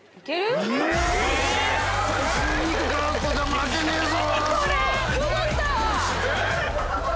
負けねえぞ！